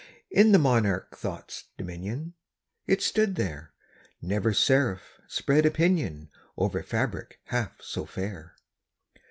In the monarch Thought's dominion It stood there! Never seraph spread a pinion Over fabric half so fair!